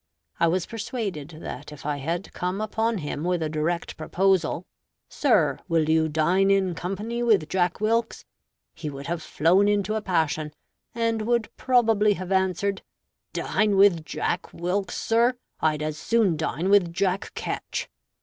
I was persuaded that if I had come upon him with a direct proposal, "Sir, will you dine in company with Jack Wilkes?" he would have flown into a passion, and would probably have answered, "Dine with Jack Wilkes, sir! I'd as soon dine with Jack Ketch."